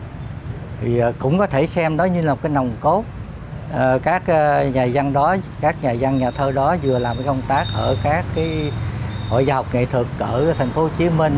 thì cũng có thể xem đó như là một cái nồng cốt các nhà dân đó các nhà dân nhà thơ đó vừa làm công tác ở các hội giáo học nghệ thuật ở thành phố hồ chí minh